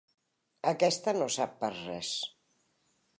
Aquesta no sap pas res.